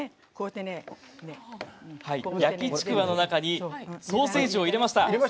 焼きちくわの中にソーセージを入れました。